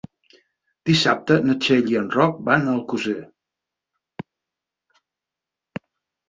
Dissabte na Txell i en Roc van a Alcosser.